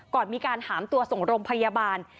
ก่อนมีการหามตัวส่งโรงพยาบาล